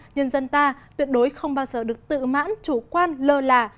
nhân dân ta tuyệt đối không bao giờ được tự mãn chủ quan lờ lả